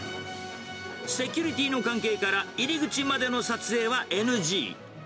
セキュリティーの関係から入り口までの撮影はＮＧ。